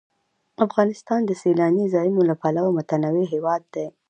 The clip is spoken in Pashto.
افغانستان د سیلاني ځایونو له پلوه متنوع هېواد دی.